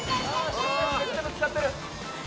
障害物めっちゃぶつかってる。